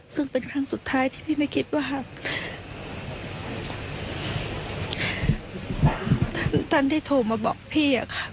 ซึ่งเป็นครั้งสุดท้ายที่พี่ไม่คิดว่าท่านที่โทรมาบอกพี่อะค่ะ